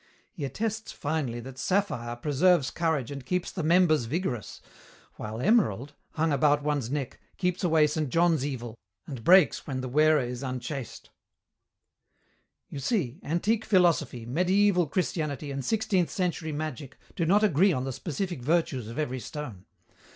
He attests finally that sapphire preserves courage and keeps the members vigorous, while emerald, hung about one's neck, keeps away Saint John's evil and breaks when the wearer is unchaste. "You see, antique philosophy, mediæval Christianity, and sixteenth century magic do not agree on the specific virtues of every stone.